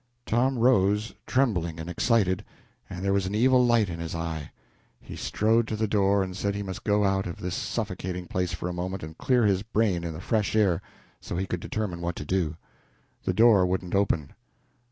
Tom rose, trembling and excited, and there was an evil light in his eye. He strode to the door and said he must get out of this suffocating place for a moment and clear his brain in the fresh air so that he could determine what to do. The door wouldn't open.